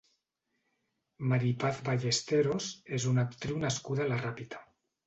Mari Paz Ballesteros és una actriu nascuda a la Ràpita.